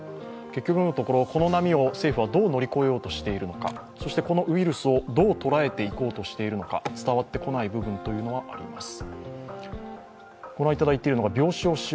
結局のところ、この波を政府はどう乗り越えようとしているのか、そしてこのウイルスをどう乗り越えようとしているのか、伝わってこない部分はあります。